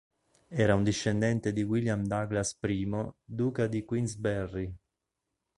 Era un discendente di William Douglas, I duca di Queensberry.